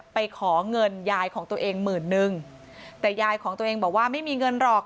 ไปขอเงินยายของตัวเองหมื่นนึงแต่ยายของตัวเองบอกว่าไม่มีเงินหรอก